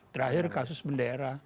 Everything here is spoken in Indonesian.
terakhir kasus bendera